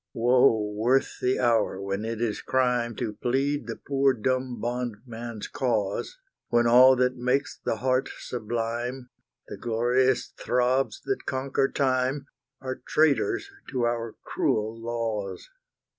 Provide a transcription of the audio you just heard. Woe worth the hour when it is crime To plead the poor dumb bondman's cause, When all that makes the heart sublime, The glorious throbs that conquer time, Are traitors to our cruel laws!